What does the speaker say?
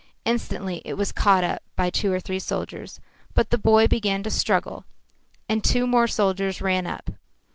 Instantly it was caught up by two or three soldiers. But the boy began to struggle, and two more soldiers ran up.